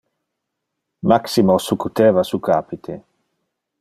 Maximo succuteva su capite.